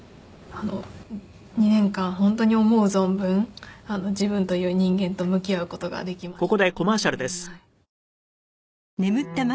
２年間本当に思う存分自分という人間と向き合う事ができました。